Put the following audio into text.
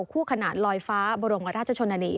คู่ขนาดลอยฟ้าบรมราชชนนานี